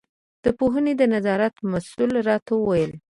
د پوهنې د نظارت مسوول راته وویل.